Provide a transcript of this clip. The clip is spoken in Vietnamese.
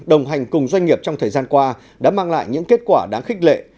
đồng hành cùng doanh nghiệp trong thời gian qua đã mang lại những kết quả đáng khích lệ